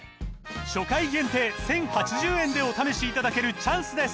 初回限定１，０８０円でお試しいただけるチャンスです